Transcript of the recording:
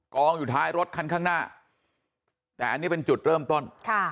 องอยู่ท้ายรถคันข้างหน้าแต่อันนี้เป็นจุดเริ่มต้นค่ะ